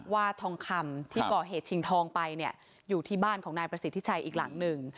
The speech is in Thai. ทองคำที่ก่อเหตุชิงทองไปเนี่ยอยู่ที่บ้านของนายประสิทธิชัยอีกหลังหนึ่ง